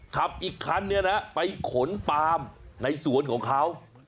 ขับอีกคันนี้นะไปขนปามในสวนของเขา